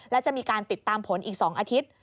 และจะมีการติดตามผลอีก๒อาทิตย์